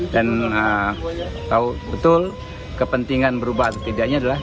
dan tahu betul kepentingan berubah atau tidaknya adalah